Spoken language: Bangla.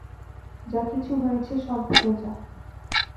যা কিছু হয়েছে সব ভুলে যা।